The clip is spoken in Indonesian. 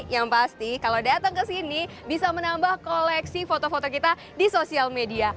yang pasti kalau datang ke sini bisa menambah koleksi foto foto kita di sosial media